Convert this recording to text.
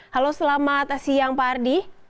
halo selamat siang pak ardi